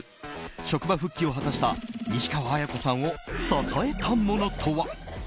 職場復帰を果たした西川史子さんを支えたものとは。